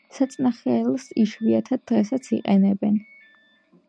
საწნახელს იშვიათად დღესაც იყენებენ.